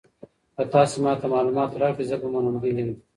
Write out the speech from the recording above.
که تاسي ما ته معلومات راکړئ زه به منندوی یم.